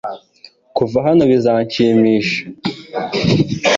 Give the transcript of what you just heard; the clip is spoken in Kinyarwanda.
kuva hano bizanshimisha